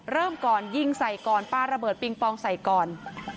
เริ่มก่อนยิงใส่ก่อนปลาระเบิดปิงปองใส่ก่อน